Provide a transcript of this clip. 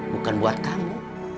bukan buat kamu